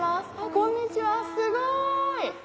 こんにちはすごい！